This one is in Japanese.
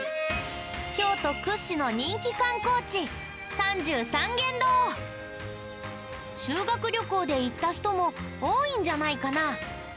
京都屈指の人気観光地修学旅行で行った人も多いんじゃないかな。